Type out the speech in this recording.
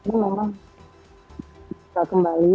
ini memang tidak kembali